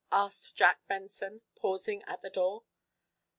asked Jack Benson, pausing at the door.